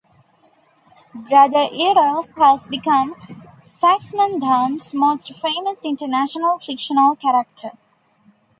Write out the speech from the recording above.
Brother Eadulf has become Saxmundham's most famous international fictional character.